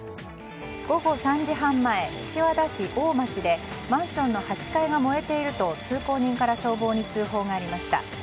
午後３時半前、岸和田市大町でマンションの８階が燃えていると通行人から消防に通報がありました。